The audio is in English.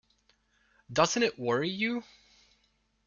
Doesn't it worry you?